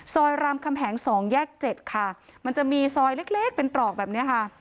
ซอยรามคำแหง๒แยก๗มันจะมีซอยเล็กเป็นตรอกแบบนี้